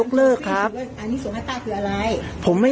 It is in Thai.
จัดกระบวนพร้อมกัน